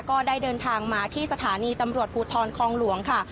ก็ได้เดินทางมาที่สถานีตำรวจภูทรคองหลวงค่ะ